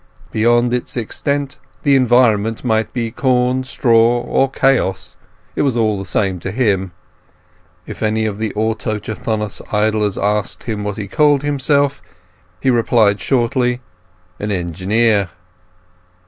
Beyond its extent the environment might be corn, straw, or chaos; it was all the same to him. If any of the autochthonous idlers asked him what he called himself, he replied shortly, "an engineer."